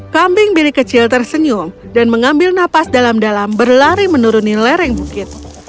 kambing bilik kecil tersenyum dan mengambil napas dalam dalam berlari menuruni lereng bukit